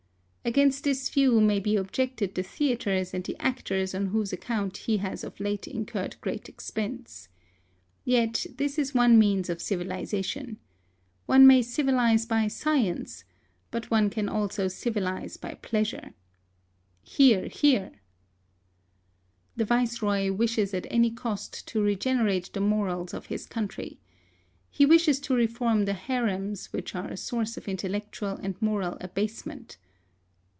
Against this view may be objected the theatres and the actors on whose account he has of late incurred great expense. Yet this is one means of civilisation. One may civilise by science, but one can also civilise by pleasure. (Hear, hear.) The Viceroy wishes at any cost to regenerate the morals of his country. He wishes to reform the harems, which are a source of intellectual and moral abasement.